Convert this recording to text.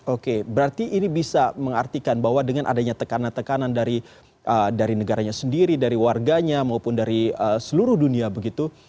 oke berarti ini bisa mengartikan bahwa dengan adanya tekanan tekanan dari negaranya sendiri dari warganya maupun dari seluruh dunia begitu